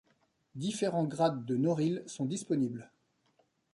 Différents grades de Noryl sont disponibles.